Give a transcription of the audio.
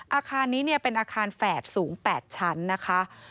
อาคารนี้เป็นอาคารแฝดสูง๘ชั้นนะคะ